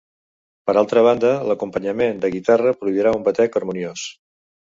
Per altra banda, l'acompanyament de guitarra produirà un batec harmoniós.